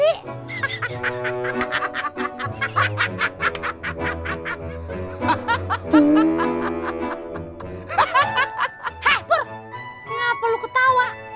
hah purr kenapa lu ketawa